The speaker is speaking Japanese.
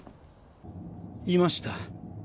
いました。